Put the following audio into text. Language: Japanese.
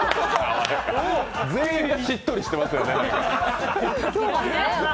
全員がしっとりしてますね。